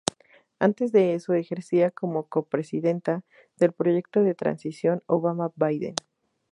Antes de eso ejercía como co-presidenta del proyecto de transición Obama-Biden.